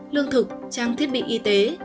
lương thực trang thiết bị y tế